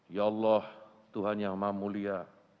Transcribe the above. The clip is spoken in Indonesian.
ya allah tuhan yang mahmulia